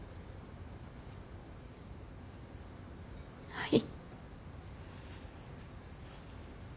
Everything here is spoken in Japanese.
はい。